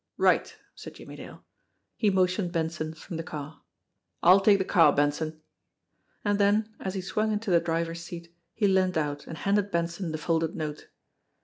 "Right!" said Jimmie Dale. He motioned Benson from the car. "I'll take the car, Benson." And then, as he swung into the driver's seat, he leaned out and handed Benson the folded note.